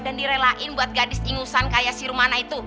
dan direlain buat gadis ingusan kayak si romana itu